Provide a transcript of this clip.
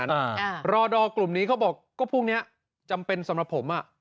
อ่ารอดอกลุ่มนี้เขาบอกก็พรุ่งเนี้ยจำเป็นสำหรับผมอ่ะ